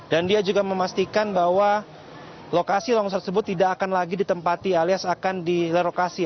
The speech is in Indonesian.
dan dia juga memastikan bahwa lokasi longsor tersebut tidak akan lagi ditempati alias akan direlokasi